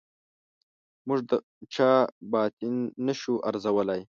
موږ د چا باطن نه شو ارزولای.